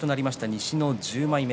西の１０枚目。